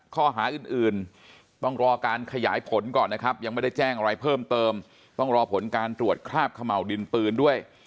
ข้อหาอื่นต้องรอการขยายผลก่อนนะครับยังไม่ได้แจ้งอะไรเพิ่มเติมต้องรอผลการตรวจคราบเขม่าวดินปืนด้วย